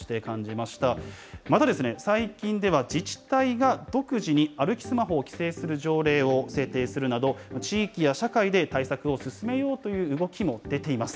また、最近では自治体が独自に歩きスマホを規制する条例を制定するなど、地域や社会で対策を進めようという動きも出ています。